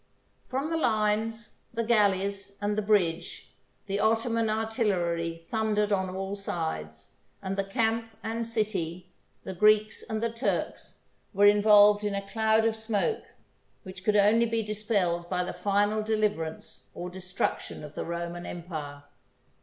From the lines, the galleys, and the bridge, the Ottoman artillery thundered on all sides ; and the camp and city, the Greeks and the Turks, were involved in a cloud of smoke, which could only be dispelled by the final de liverance or destruction of the Roman empire.